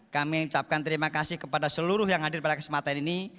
saya ingin mengucapkan terima kasih kepada seluruh yang hadir pada kesempatan ini